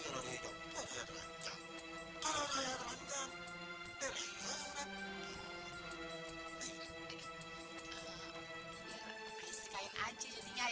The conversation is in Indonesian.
kalau gitu abang buka aja di dalam dulu ya